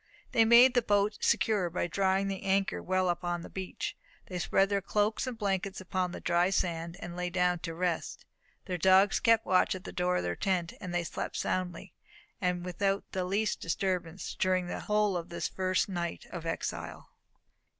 They made the boat secure by drawing the anchor well upon the beach. They spread their cloaks and blankets upon the dry sand, and lay down to rest. Their dogs kept watch at the door of their tent; and they slept soundly, and without the least disturbance, during the whole of this their first night of exile.